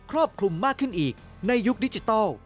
ครอบคลุมมากขึ้นอีกในยุคดิจิทัล